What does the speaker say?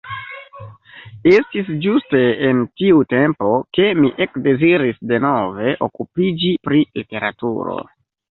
Estis ĝuste en tiu tempo, ke mi ekdeziris denove okupiĝi pri literaturo.